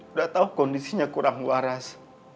udah tau kondisinya kurang waras